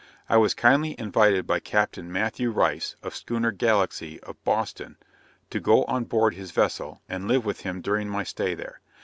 I was kindly invited by Captain Matthew Rice, of schooner Galaxy, of Boston, to go on board his vessel, and live with him during my stay there.